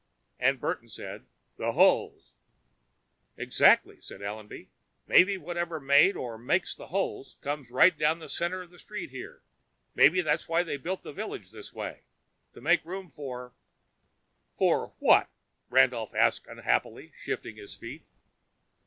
And Burton said, "The holes!" "Exactly," said Allenby. "Maybe whatever made or makes the holes comes right down the center of the street here. Maybe that's why they built the village this way to make room for " "For what?" Randolph asked unhappily, shifting his feet.